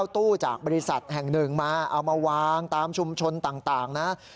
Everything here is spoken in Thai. ตู้จากบริษัทแห่งหนึ่งมาเอามาวางตามชุมชนต่างนะ